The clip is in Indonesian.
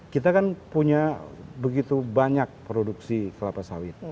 kita kan punya begitu banyak produksi kelapa sawit